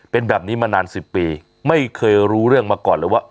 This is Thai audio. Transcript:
เป็นแบบนี้มานาน๑๐ปีไม่เคยรู้เรื่องมาก่อนเลยว่า